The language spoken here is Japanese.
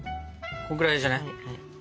このくらいじゃない？